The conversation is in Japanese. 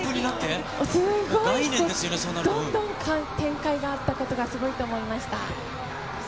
すごい、どんどん展開があったことが、すごいと思いました。